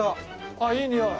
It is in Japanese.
ああいいにおい。